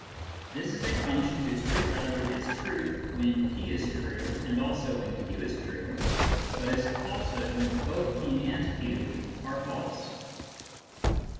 This is a function whose truth value is truth when /> is true and also when q is true, but is falsehood when both /> and q are false.